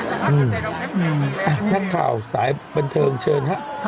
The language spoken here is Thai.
จากแล้วสายบรรเทิงเชิญครับ